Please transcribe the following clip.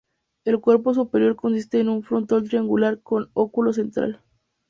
El cuerpo superior consiste en un frontón triangular con óculo central.